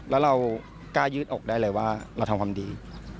แล้วเรากล้ายืดอกได้เลยว่าเราทำความดี